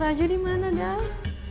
rajo di mana dong